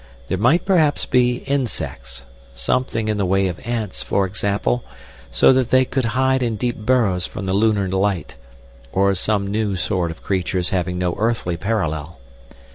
There might perhaps be insects, something in the way of ants, for example, so that they could hide in deep burrows from the lunar light, or some new sort of creatures having no earthly parallel.